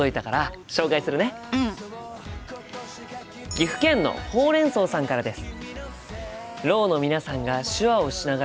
岐阜県のほうれん草さんからです。